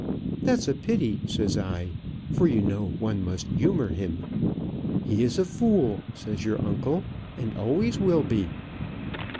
'That's a pity,' says I, for you know one must humour him. 'He is a fool,' says your uncle, 'and always will be.'"